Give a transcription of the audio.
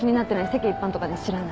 世間一般とかね知らない。